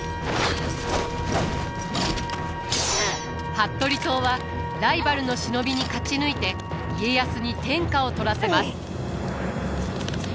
服部党はライバルの忍びに勝ち抜いて家康に天下を取らせます。